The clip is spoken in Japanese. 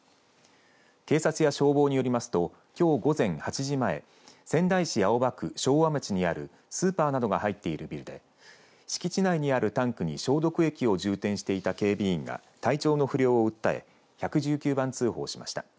警察や消防によりますときょう午前８時前仙台市青葉区昭和町にあるスーパーなどが入っているビルで敷地内にあるタンクに消毒液を充てんしていた警備員が体調の不良を訴え１１９番通報しました。